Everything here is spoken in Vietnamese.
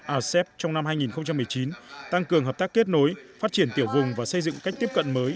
asep trong năm hai nghìn một mươi chín tăng cường hợp tác kết nối phát triển tiểu vùng và xây dựng cách tiếp cận mới